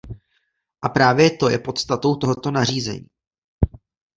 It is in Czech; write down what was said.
A právě to je podstatou tohoto nařízení.